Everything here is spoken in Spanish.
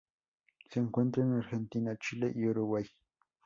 Se encuentra en Argentina, Chile y Uruguay.